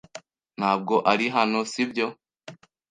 Ntabwo ari hano, si byo?